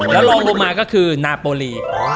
แล้วลองลงมาก็คือนาโปรลี